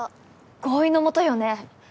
合意のもとよね？